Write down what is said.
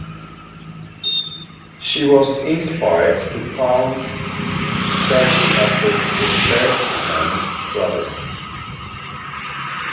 She was inspired to found the charity after the Beslan tragedy.